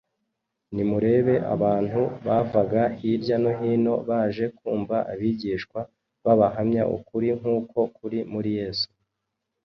Nimurebe abantu bavaga hirya no hino baje kumva abigishwa bahamya ukuri nk’uko kuri muri Yesu.